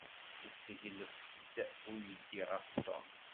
Yesseglef-d uydi ɣef Tom.